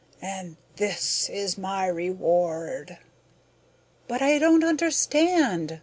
and this is my reward...." "But I don't understand!"